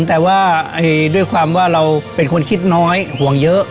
แต่ว่าด้วยความว่าเราเป็นคนคิดน้อยห่วงเยอะ